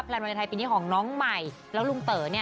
แปลนวันชายปีนี้ของน้องใหม่แล้วลุงเต๋อ